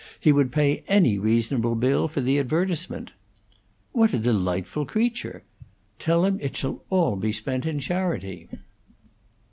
He would pay any reasonable bill for the advertisement." "What a delightful creature! Tell him it shall all be spent in charity."